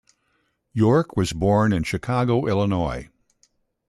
York was born in Chicago, Illinois.